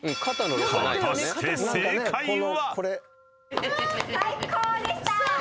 ［果たして正解は⁉］